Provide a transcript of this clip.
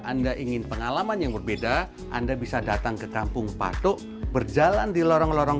anda ingin pengalaman yang berbeda anda bisa datang ke kampung patok berjalan di lorong lorong